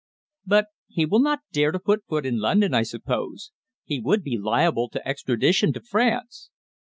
"But he will not dare to put foot in London, I suppose. He would be liable to extradition to France."